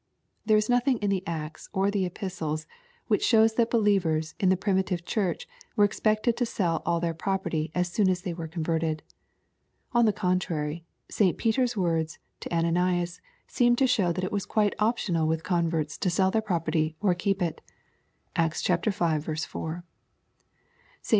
There is nothing in the Acts or the Epistles, which shows that believers, in the primitive church were expected to sell all their property, as soon as they were converted. On the contrary, St. Peter's words to Ananias, seem to show that it was quite optional with converts to sell their property or keep it (Acts v. 4.) St.